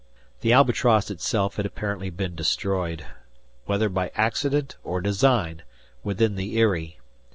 The "Albatross" itself had apparently been destroyed, whether by accident or design, within the eyrie.